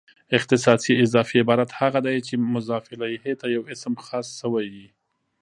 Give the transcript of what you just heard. اختصاصي اضافي عبارت هغه دئ، چي مضاف الیه ته یو اسم خاص سوی يي.